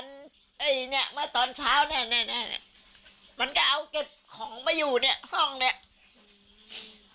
เมื่อวันตอนเช้านี่มันก็เอาเก็บของมาอยู่ห้องนี้